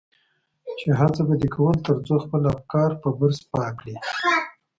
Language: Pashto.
چې هڅه به دې کول تر څو خپل افکار په برس پاک کړي.